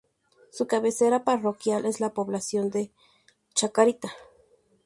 Su cabecera parroquial es la población de Chacarita.